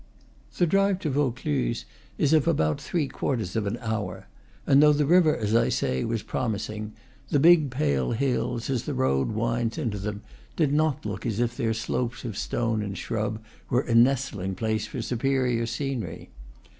The drive to Vaucluse is of about three quarters of an hour; and though the river, as I say, was promis ing, the big pale hills, as the road winds into them, did not look as if their slopes of stone and shrub were a nestling place for superior scenery.